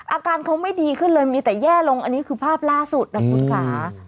อาการเขาไม่ดีขึ้นเลยมีแต่แย่ลงอันนี้คือภาพล่าสุดนะคุณค่ะ